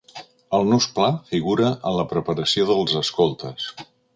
El nus pla figura en la preparació dels escoltes.